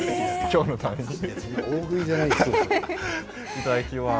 いただきます。